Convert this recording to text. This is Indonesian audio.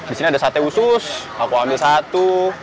di sini ada sate usus aku ambil satu